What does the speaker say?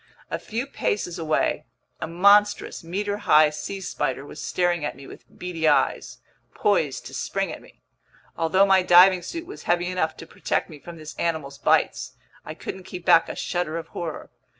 A few paces away, a monstrous, meter high sea spider was staring at me with beady eyes, poised to spring at me. Although my diving suit was heavy enough to protect me from this animal's bites, I couldn't keep back a shudder of horror.